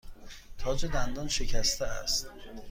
تاج دندان شکسته است.